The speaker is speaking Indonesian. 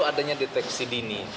kalau adanya deteksi dini